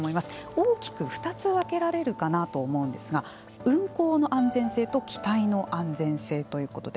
大きく２つ分けられるかなと思うんですが運航の安全性と機体の安全性ということで。